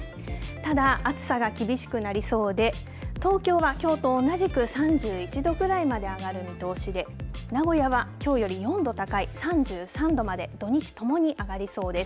ただ暑さが厳しくなりそうで東京はきょうと同じく３１度ぐらいまで上がる見通しで名古屋はきょうより４度高い３３度まで土日ともに上がりそうです。